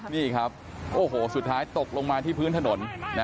นี่ครับโอ้โหสุดท้ายตกลงมาที่พื้นถนน